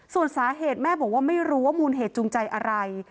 ส่วนสาเหตุแม่บอกว่าไม่รู้ว่ามูลเหตุจูงใจอะไร